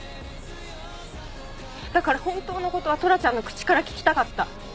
だから本当の事はトラちゃんの口から聞きたかった。